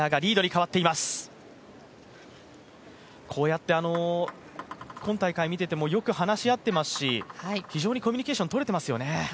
こうやって今大会、見ていてもよく話し合っていますし非常にコミュニケーションとれていますよね。